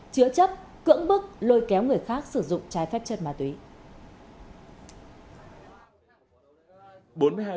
chứa chấp cưỡng bức lôi kéo người khác sử dụng trái phép chất ma túy